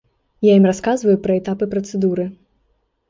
Я ім расказваю пра этапы працэдуры.